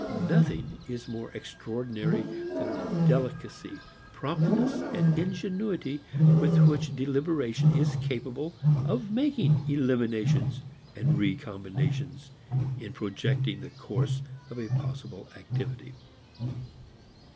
Nothing is more extraordinary than the delicacy, promptness and ingenuity with which deliberation is capable of making eliminations and recombinations in projecting the course of a possible activity.